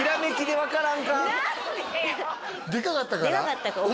でかかったから？